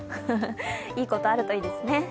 いいことあるといいですね。